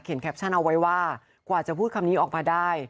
แคปชั่นเอาไว้ว่ากว่าจะพูดคำนี้ออกมาได้